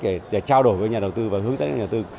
để trao đổi với nhà đầu tư và hướng dẫn nhà đầu tư